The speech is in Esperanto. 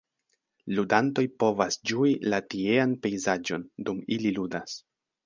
Ludantoj povas ĝui la tiean pejzaĝon, dum ili ludas.